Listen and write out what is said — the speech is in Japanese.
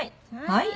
はい。